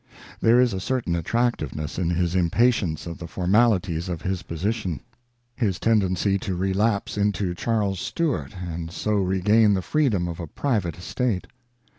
There is a certain attractiveness in his im patience of the formalities of his position ; his tendency to relapse into Charles Stuart and so regain the freedom of a private estate.